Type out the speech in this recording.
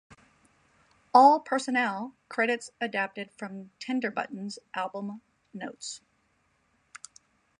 All personnel credits adapted from "Tender Buttons" album notes.